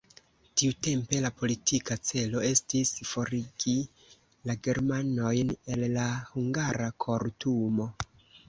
Tiutempe la politika celo estis forigi la germanojn el la hungara kortumo.